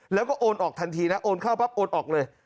แล้วก็โอนออกทันทีนะโอนเข้าปั๊บโอนออกเลย